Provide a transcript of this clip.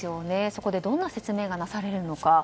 そこでどんな説明がなされるのか。